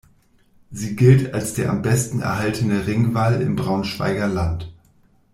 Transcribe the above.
Sie gilt als der am besten erhaltene Ringwall im Braunschweiger Land.